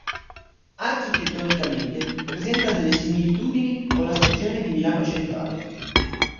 Architettonicamente presenta delle similitudini con la stazione di Milano Centrale.